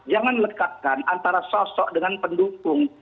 jangan lekatkan antara sosok dengan pendukung